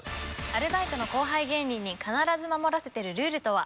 アルバイトの後輩芸人に必ず守らせてるルールとは？